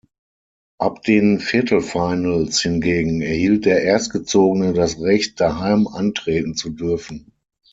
Ab den Viertelfinals hingegen erhielt der Erstgezogene das Recht, daheim antreten zu dürfen.